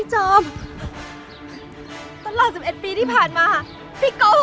ไอ้คนเห็นเก็บตัวยังไม่มีเงินมาหลอกฉันทำไมไอ้เหลว